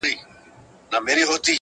ایله پوه د خپل وزیر په مُدعا سو؛